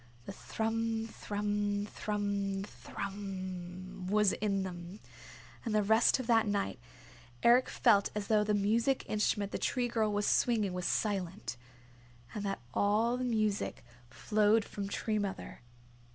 The thrum, thrum, thrum, thrummmmmmmmmm was in them, and the rest of that night Eric felt as though the music instrument the Tree Girl was swinging was silent, and that all the music flowed from Tree Mother.